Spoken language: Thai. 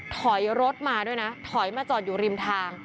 ถอยรถมาด้วยนะถอยมาจอดอยู่ริมทาง